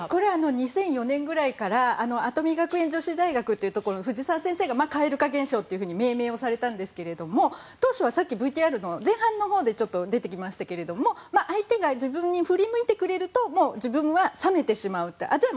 ２００４年くらいから跡見学園女子大学の藤澤先生が蛙化現象と命名されたんですけど当初はさっきＶＴＲの前半のほうで出てきましたが相手が自分に振り向いてくれると自分は冷めてしまうじゃあ